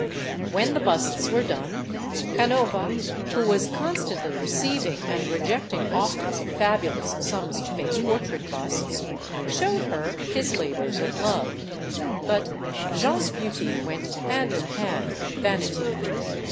When the busts were done, Canova^who was con stantly receiving and rejecting offers of fabulous sums to make portrait busts showed her his labors of love. But Jeanne's beauty went hand in hand with vanity.